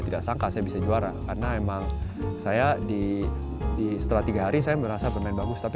tidak sangka saya bisa juara karena emang saya di setelah tiga hari saya merasa bermain bagus tapi